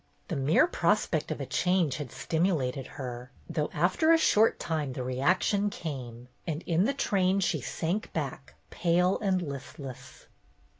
The mere^ prospect of a change had stimulated her, though after a short time the reaction came, and in the train she sank back pale and listless.